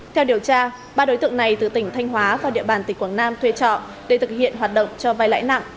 theo điều tra ba đối tượng này từ tỉnh thành hóa và địa bàn tỉnh quảng nam thuê trọ để thực hiện hoạt động cho vay lãi nặng